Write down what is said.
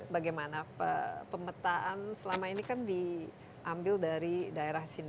bagaimana pemetaan selama ini kan diambil dari daerah sini